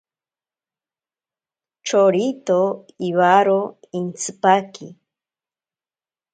Chorito iwaro intsipaki.